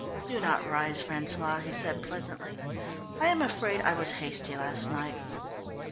"Do not rise, François," he said pleasantly. "I am afraid I was hasty last night."